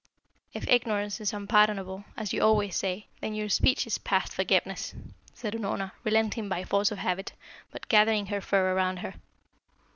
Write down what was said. "If ignorance is unpardonable, as you always say, then your speech is past forgiveness," said Unorna, relenting by force of habit, but gathering her fur around her.